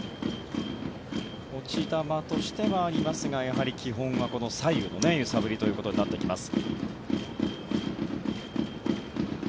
持ち球としてありますがやはり基本は左右の揺さぶりということになってきます。